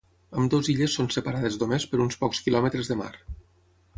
Ambdues illes són separades només per uns pocs quilòmetres de mar.